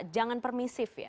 jangan permisif ya